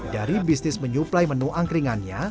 dari bisnis menyuplai menu angkringannya